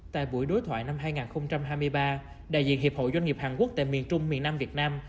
tại buổi đối thoại năm hai nghìn hai mươi ba đại diện hiệp hội doanh nghiệp hàn quốc tại miền trung miền nam việt nam